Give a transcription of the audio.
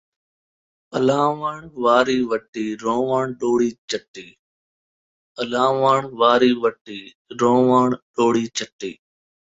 اَلاوݨ واری وٹی، رووݨ ݙوڑی چٹی